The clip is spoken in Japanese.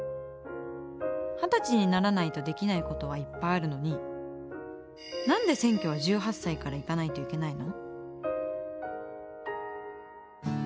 二十歳にならないとできないことはいっぱいあるのに何で選挙は１８歳から行かないといけないの？